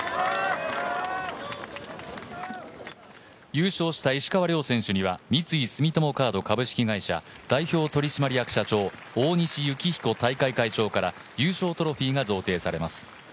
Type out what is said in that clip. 優勝した石川遼選手には三井住友カード株式会社代表取締役社長大西幸彦大会会長から優勝トロフィーが贈呈されます。